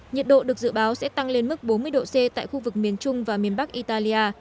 nhiệt độ được dự báo sẽ tăng lên mức bốn mươi độ c tại khu vực miền trung và miền bắc italia